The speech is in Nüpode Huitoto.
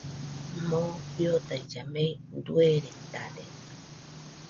Moo fiodailla mei dueredade